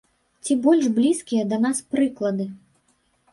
Ці больш блізкія да нас прыклады.